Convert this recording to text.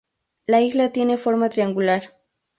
La isla tiene forma triangular.